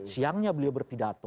siangnya beliau berpidato